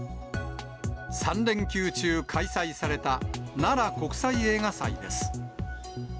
３連休中、開催されたなら国際映画祭です。